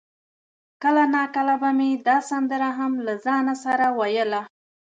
کله ناکله به مې دا سندره هم له ځانه سره ویله.